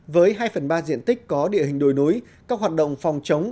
với hai phần ba diện tích có địa hình đồi núi các hoạt động phòng chống